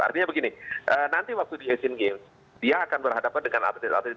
artinya begini nanti waktu di asian games dia akan berhadapan dengan atlet atlet